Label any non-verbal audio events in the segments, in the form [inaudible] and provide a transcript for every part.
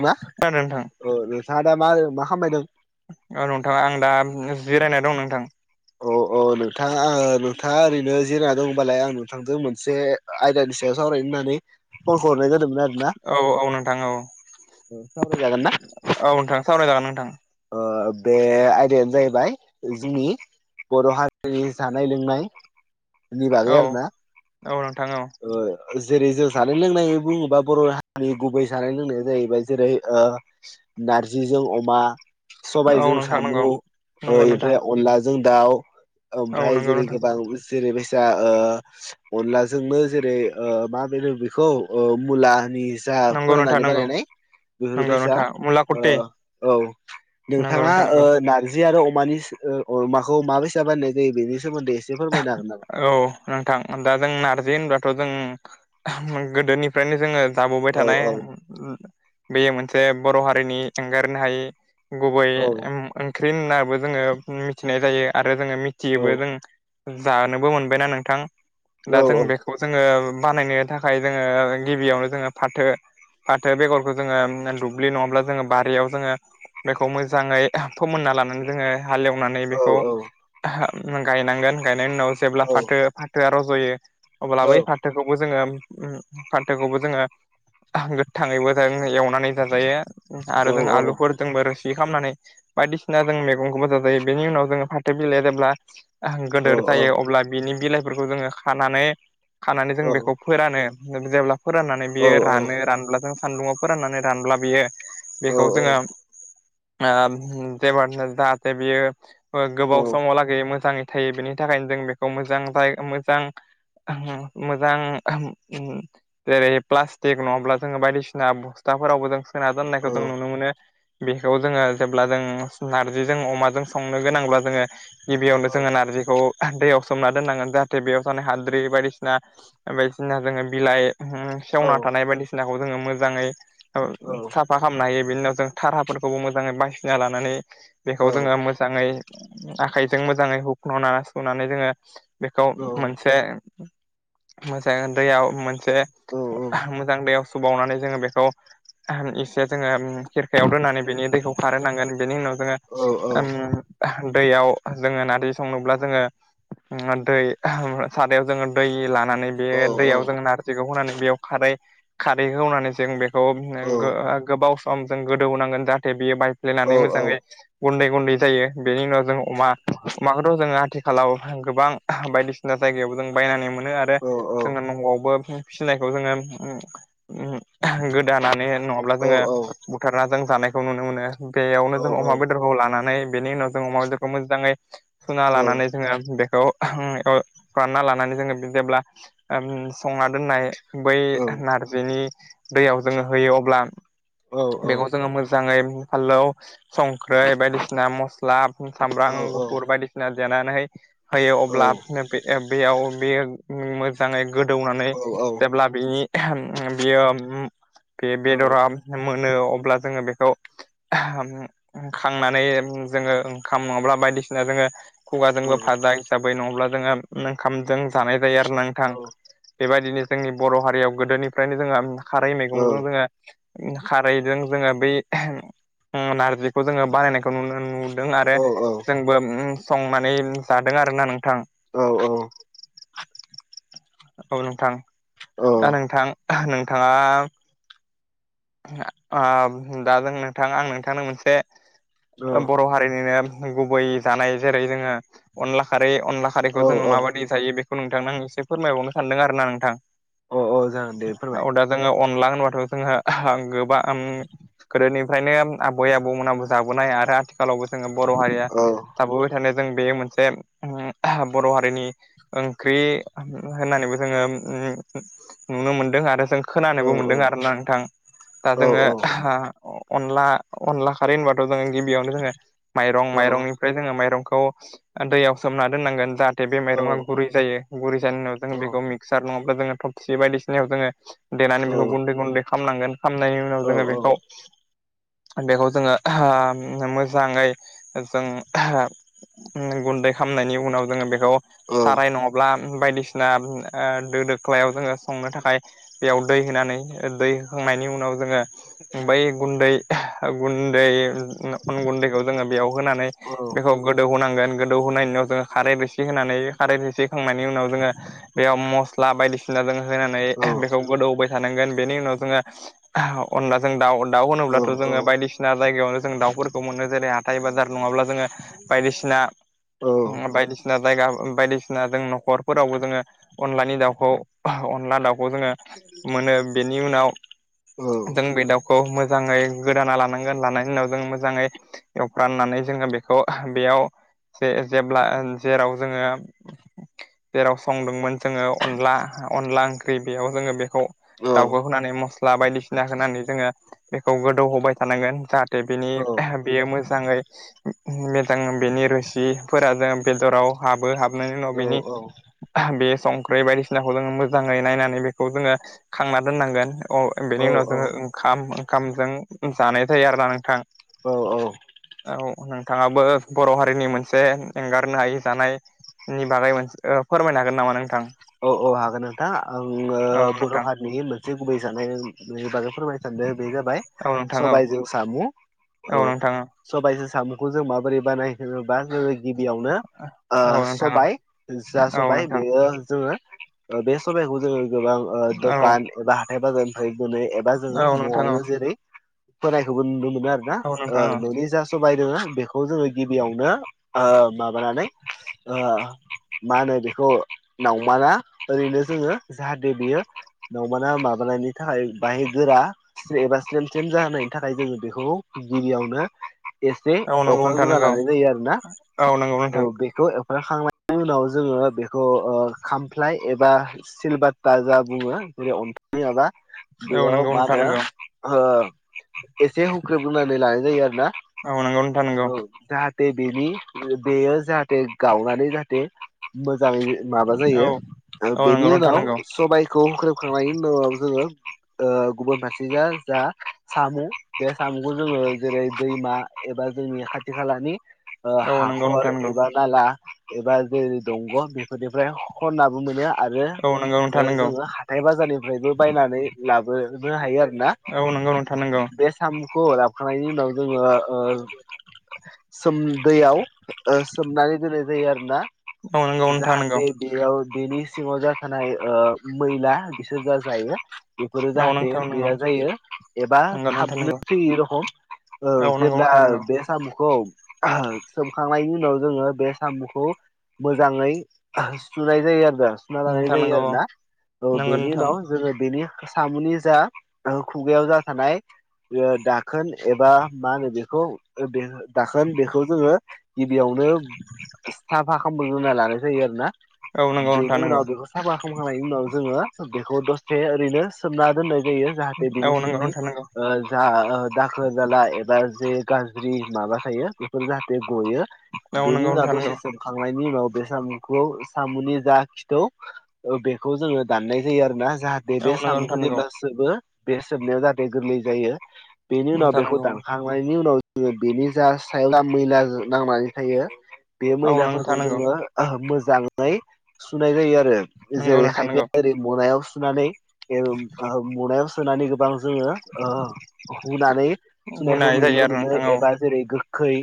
मा? [unintelligible] नोंथां औ नोंथाङा दा मा मा खामबाय दं? औ नोंथाङा आं दा जिरायना दं नोंथां। औ औ नोंथाङा नोंथाङा ओरैनो जिरना दंबालाय आं नोंथांजों मोनसे आयदानि सायाव सावरायनो होननानै फनख हरनाय जादोंमोन आरो ना औ औ नोंथां औ सावरायजागोन ना? औ नोंथां सावराय जागोन नोंथां ओ बे आयदायानो जाहैबाय जोंनि बर' हारिनि जानाय लोंनाय नि बागै औ आरो ना औ नोंथां औ ओ। जेरै जों जानाय लोंनाय बुङोबा बर' हारिनि गुबै जानाय लोंनाया जाहैबाय जेरै नारजिजों अमा औ सबायजों नोंथां साम' नंगौ नंगौ नोंथां ओमफ्राय अनलाजों जों दाउ औ ओमफ्राय नंगौ जेरै नोंथां गोबां जेरै बायसा ओ अनलाजोंनो जेरै मा बेनो बेखौ मुलानि जा नंगौ नोंथां फोराननानै नंगौ बानायनाय नंगौ बेफोरबायसा नोंथां मुला खुथि औ नंगौ नोंथाङा नोंथां ओ नंगौ नार्जि आरो अमानि ओ अमाखौ मााबारसा बानायनाय जायो बेनि सोमोन्दै एसे फोरमायनो हागोन नामा? औ नोंथां दा जों नारजि होनबाथ' जों गोदोनिफ्रायनो जोङो जाबोबाय औ थानाय औ बेयो मोनसे बर' हारिनि एंगारनो हायि गुबै औ ओ ओंख्रि होननाबो जोङो मिथिनाय जायो आरो जोङो औ मिथियोबो जों जानोबो मोनबायना नोंथां औ दा जों औ बेखौ खौ जोङो बानायनो थाखाय जोङो गिबियावनो जोङो फाथो फाथो बेगरखौ जोङो दुब्लि नङाब्ला जोङो बारियाव जोङो बेखौ मोजाङै फोमोनना लानानै जोङो हालेवनानै बेखौ गायनांगोन गायनायनि उनाव जेब्ला औ फाथो फा जोंहा रज'यो औ अब्लाबो बै फाथ थोखौबो जोङो फान्थोखौबो जोङो गोथाङैबो एवनानै माने जाजायो आरो जों आलुफोर जोंबो रोसि खालामनानै बायदिसिना जों मैगंखौबोोजां जायो बेनि उनाव जोङो फाथो बिलाइ जेब्ला औ गोदोर औ जायो अब्ला बिनि बिलाइफोरखौ जोङो खानानै खानानै जों बेखौ फोरानो जेब्ला फोराननानै बियो औ रानो रानब्ला जों सान्दुङाव फोराननानै रानब्ला बियो औ बेखौ औ जोङो ओ जे जाहाथे बियो गोबाव समाव लागै मोजाङै थायो बेनि थाखायनो जों बेखौ मोजां मोजां मोजां जेरै प्लास्टिक नङाब्ला जोङो बायदिसिना बस्थाफोरावबो जों सोना दोननायखौ जों नुनो मोनो बेखौ जोङो जेब्ला जों नारजिजों अमाजों संनो गोनांब्ला जोङो गिबियावनो जोङो नारजिखौ दैयाव सोमना दोननांगोन जाहाथे बेयाव जानाय हाद्रि बायदिसिना बायदिसिना जोङो बिलाइ ओ सेवना थानाय बायदिसिनाखौ जोङो मोजाङै साफ फा खालामनो हायो बेनिनाव जों धाराफोरखौबो मोजाङै बायसिना लानानै बेखौ जोङो मोजाङै आखायजों मोजाङै हुख्लावा सुनानै जोङो बेखौ मोनसे मोजां दैयाव मोनसे मोजां दैयाव सुबावनानै जोङो बेखौ इसे जोङो खिरखायाव दोननानै बिनि दैखौ खारहोनांगोन बेनि उनाव जोङो दैयाव जोङो नारजि संनोब्ला जोङो ओ दै सारायाव जोङो दै लानानै बे दैयाव जोङो नार जिखौ होनानै बेयाव खारै खारै होनानै जों बेखौ गोबाव सम जों गोदौनांगोन जाहाथे बियो बायफ्लेनानै मोजाङै गुन्दै गुन्दै जायो बेनि उनाव जों अमा अमाखौथ' जोङो आथि खालाव गोबां बायदिसिना जायगायावबो जों बायनानै मोनो आरो जोङो न'आवबो फिनायखौ जोङो ओ ओ गोदानानै नङाब्ला जोङो बुथारना जों जानायखौ नुनो मोनो बेयावनो जों अमा बेदरखौ लानानै बेनि उनाव जों अमा बेदरखौ मोजाङै सुना लानानै जोङो बेखौ [unintelligible] रानना लानानै जोङो जेब्ला [unintelligible] संना दोननाय बै नारजिनि दैयाव जोङो होयो अब्ला बेखौ जोङो मोजां मोजाङै फालौ संख्रै बायदिसिना मस्ला सामब्राम गुफुर बायदि जनानै होयो अब्ला बेयाव बे मोजाङै गोदौनानै औ जेब्ला बेनि ओ‌ बियो बे औ बेदरा मोनो अब्ला जोङो बेखौ खांनानै जोङो ओंखाम नङाब्ला बायदिसिना जोङो खुगाजोंबो फाजा हिसाबै नङाब्ला जोङो ओंखामजों जानाय जायो आरो न नोंथां बेबायदिनो जोंनि बर' हारियाव गोदोनिफ्रायनो जोङो खारै मैगंजों जोङो खारैजों जोङो बै ओ नारजिखौ जोङो बानायनायखौ नु न आरो जोंबो संनानै जादों आरोना नोंथां। औ औ औ नोंथां दा नोंथां नोंथाङा ओ दा जों नोंथां आं नोंथांनो मोनसे बर' हारिनिनो गुबै जानाय जेरै जोङो अनला खारै अनला औ खारिखौ जोङो माबायदि जायो बेखौ नोंथांन आ एसे फोरमायबावनो सानदों आरो ना नोंथां। अ औ जागोन दे फोरमाय औ दा जोङो अनला होनबाथ' जोङो गोबां गोदोनि फ्रायनो आबै आबौमोनहाबो जाबोनाय आरो आथिखालावबो जोङो बर' हारिया औ थाबोबाय थानाय जों बे मोनसे बर' हारिनि ओंख्रि होननानै जो नुनो मोनदों आरो जों औ खोनानोबो औ मोनदों आरोना नोंथां। दा औ जोङो अनला अनला खारै होनबाथ' जोङो गिबियावनो जोङो माइरं औ माइरंनि ओमफ्राय जोङो माइरंखौ दैयाव सोमना दोननांगोन जाहाथे बे माइरंआ गुरै जायो गुरि जानाय उनाव जोङो औ बेखौ मिक्सार नङाब्ला जोङो थफसि बायदिसिनाव जोङो देनानै बेखौ गुन्दै गुन्दै खालामनांगोन खामनायनि उनाव जोङो बेखौ बेखौ जोङो मोजाङै जों गुन्दै खालामामनायनि उनाव जोङो बेखौ साराय नङा बायदिसिना ओ दो-दोख्लायाव जोङो संनो थाखाय बेयाव दै होनानै दै होखांनायनि उनाव जोङो बै गुन्दै गुन्दै अन गुन्दैखौ जोङो बेयाव होनानै बेखौ गोदौ होनांगोन गोदौ होनायनिउनाव जोङो खारै एसे होनानै खारै एसे खांनायनि उनाव जोङो बेयाव मस्ला बायदिसिना जोङो होनानै बेखौ गोदौबाय थानांगोन बेनि उनाव जोङो अनला जों दा दाउ होनोब्लाथ' औ जोङो बायदिसि सिना जायगायावनो जों दाउफोरखौ मोनो जेरै हाथाय बाजार नङाब्ला जोङो बायदिसिना औ बायदिसिना जायगा बायदि बायसिना जों न'खरफोरावबो जोङो अनलानि दाउखौ अनला दाउखौ जोङो मोनो बेनि उनाव औ जों बे दाउ खौ मोजाङै गोदाना लानांगोन लानायनि उनाव जों मोजाङै एवफ्रामनानै जोङो बेखौ बेयाव जे जेब्ला जेराव जोङो जेराव संदोंमोन जोङो अनला अनला ओंख्रि बेयाव जोङो बे दाउखौ औ होनानै मस्ला बायदिसिना होनानै जोङो बेखौ गोदौ होबाय थानांगोन जाहा दा बेनि बेयो मोजाङै जों बेनि रोसिफोरा जों बेदराव हाबो हाबनायनि उनाव औ बेनि बे संख्रि बायदिसिनाखौ जोङो मोजाङै नायनानै बेखौ जोङो खांना दोननांगोन औ बेनि उनाव जोङो ओंखाम ओंखामजों जानाय जायो आरोना नोंथां औ औ औ नोंथाङाबो बर' हारिनि मोनसे एंगारनो हायि जानाय नि बागै मोनसे फोरमायनो हागोन नामा नोंथां औ औ हागोन नोंथा आङो औ बर' नोंथां हारिनि मोनसे गुबै जानायनि बागै फोरमाय सानदों बे जाबाय औ नोंथां औ सामु औ सबाइजों साम'खौ जों माबोरै बानाय जेनबा जोङो गिबियावनो ओ औ औ नोंथां सबाय जा औ सबाय नोंथां बेयो जोङो बे सबाइखौ जोङो गोबां ओ औ दखान एबा थाइ बाजारनिफ्राय बोनो एबा जोङो औ नोंथां न'आवनो जेरै फोनायखौबो नुनो मोनो आरो ना औ ओ नोंथां औ न'नि जा सबाय दोङो बेखौ जोङो गिबियावनो ओ माबानानै ओ मा होनो बेखौ नावमाना ओरैनो जोङो जाहाथे बियो न'माना माबानायनि थाखाय बाहाय गोरा एबा सम सेम जाहायनि थाखाय जोङो बेखौ गिबियावनो एसे औ नंगौ नोंथां एवखांग्रोना नंगौ लानाय जायो आरो ना औ नंगौ औ नोंथां बे खौ एवफखांनायनि उनाव जोङो बेखौ ओ खामफ्लाय एबा सिलबाता जा बुङो जेरै अन्था माबा औ बेयाव नंगौ मा नोंथां होनो नंगौ ओ एसे हुख्रेबग्रनानै लानाय जायो आरो ना औ नंगौ नोंथां नंगौ। जाहाथे बेनि बेयो जाहाथे गावनानै जाहाथे मोजाङै माबा औ जायो औ बेनि नंगौ ओ नोंथां उनाव नंगौ सबबायखौ हुख्रेबखांनायनि उनाव जोङो। ओ गुबुन फारसेया जा सामु बे सामुखौ जोङो जेरै दैमा एबा जोंनि खाथि खालानि ओ औ नंगौ हाखर नोंथां नंगौ एबा नाला एबा जेरै दंग' बेफोरनिफ्राय खननाबो मोनो। आरो औ नंगौ नोंथां नंगौ जोङो हाथाय बाजारनिफ्राइबो बायनानै लाबोनो हायो आरो ना। औ नंगौ नोंथां नंगौ। बे सामु खौ लाबोखांनायनि उनाव जोङो ओ सोम दैयाव ओ सोमनानै दोननाय जायो आरोना औ नंगौ नोंथां नोंगौ। जाहाथे बेयाव बेनि सिङाव जाथानाय ओ मैला बिसोर जा जायो। बेफोरो औ जाहाथे नोंथां नंगौ गैया जायो एबा नंगौ नोंथां थाबनो नंगौ थै रखम औ नंगौ जेबोब्ला नोंथां नंगौ बे सामुखौ सोमखांनायनि उनाव जोङो बे सामुखौ मोजाङै। सुनाय जायो आरोना सुना लानाय नोंथां जायो नंगौ आरो ना औ बेनि उनाव जोङो बेनि सामुनि जा खुगायाव जा थानाय बेयो दाखोन एबा मा होनो बेखौ बे दाखोन बेखौ जोङो गिबियावनो साफा खालाम ग्रोना लानाय जायो आरो ना औ नंगौ बेनि नोंथां उनाव बेखौ साफा खालामखांनायनि उनाव जोङो बेखौ दसथे ओरैनो सोमना दोननाय जायो जाहाथे औ नंगौ बिनिसिंनि नोंथां नंगौ ओ जा ओ दाखोर जााला एबा जे गाज्रि माबा थायो बेफोर जाहाथे गयो। औ बेनि नंगौ नोंथां दसे नंगौ सोमखांनायनि उनाव बे सामु खौ सामुनि जा खिथौ बेखौ जोङो दाननाय जायो आरोना जाहाथे बे औ बे नंगौ साम'खौ नोंथां नंगौ जेब्ला सोबो बे सोबनायाव जाहाथे गोरलै जायो बेनि उनाव बेखौ दानखां नायनि उनाव जोङो बेनि जा सायाव जा मैला नांनानै थायो। बे औ नंगौ मैलाफोरखौ नोंथां नंगौ नोंथां नंगौ औ नोंथां नंगौ जोङो मोजाङै सुनाय जायो आरो नंगौ जेरै नोंथां खायफाया नंगौ ओरै मुनायाव सोनानै मुनायाव सोनानै गोबां जोङो ओ हुनानै सुनायखौ हुनाय जायो नुनो आरो मोनो नोंथां औ एबा जेरै गोखै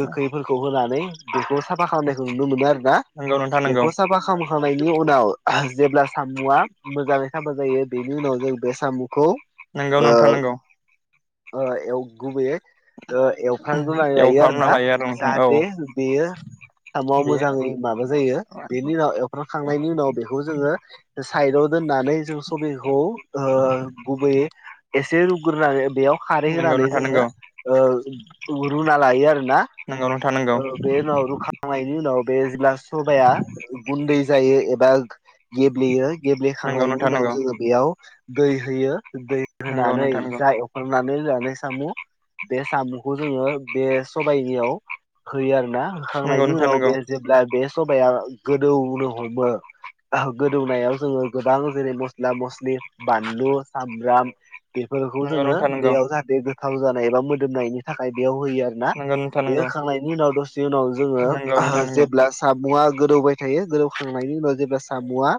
गोखैफोरखौ होनानै बेखौ साफा खालामनायखौ नुनो मोनो आरोना। नंगौ नोंथां नंगौ बेखौ साफा खालामखांनायनि उनाव जेब्ला सामुआ मोजाङै साफा जायो बेनि उनाव जों बे सामुखौ नोंगौ नोंथा नोंगौ ओ एव गुबैय ओ एव ओंखा रुनानै लायो आरो एवफ्रामना ना नोंथां औ जाहाथे बेयो साम'आव बे मोजाङै जायो बेनि उनाव एखांनायनि उनाव उन बेखौ जोङो साइदाव दोननानै जों सबिखौ गुबैयै एसे रुग्रोनानै बेयाव खारै नंगौ होनानै नोंथां नंगौ जोङो रुना लायो आरो ना। नंगौ नोंथां नंगौ बेनाव रु खांनायनि उनाव बे जेब्ला सबाया गुन्दै जायो एबा गेब्लेयो नंगौ गेब्लेखांनायनि नोंथां उनाव नंगौ जोङो बेयाव दै होयो दै नंगौ होनानै नोंथां नंगौ जाय एवखनानै होनानै साम' बे साम'खौ जोङो बे सबायाइनियाव होयो आरोना नंगौ होखांनायनि नोंथां उनाव बे नंगौ होनब्ला बे सबाया गोदौनो हमो गोदौनायाव जोङो गोबां जेरै मस्ला मस्लि बानलु सामब्राम बेफोरखौ नंगौ जोङो नोंथां नंगौ बेयाव जाहाथे गोथाव जानाय एबा मोदोमनायनि थाखाय बेयाव होयो आरो ना नंगौ नोंथां बे नंगौ होखांनायनि उनाव दसे उनाव जोङो नंगौ नोंथां नंगौ दा सामुआ गोदौबाय थायो गोदौखांनायनि उनाव जेब्ला सामुआ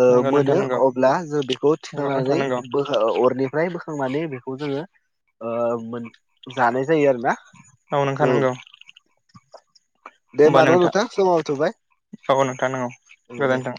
ओ नंगौ नोंथां मोनो नंगौ अब्ला जों बेखौ नंगौ नोंथां थिखांनानै नंगौ बो अरनिफ्राय बोखांनानै बेखौ जोङो ओ मोन जानाय जायो आरो ना औ नोंथां नोंगौ दे होनबा होमबा न' नोंथा नोंथां समाबो थौबाय औ नोंथां नंगौ औ दे। गोजानथों